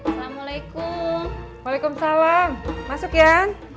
assalamualaikum waalaikumsalam masuk ya